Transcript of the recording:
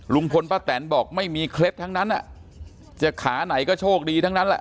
ลุงพลป้าแตนบอกไม่มีเคล็ดทั้งนั้นจะขาไหนก็โชคดีทั้งนั้นแหละ